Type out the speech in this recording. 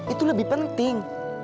itu lebih penting